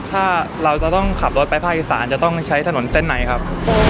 ถ้าเราจะต้องขับรถไปภาคอีสานจะต้องใช้ถนนเส้นไหนครับ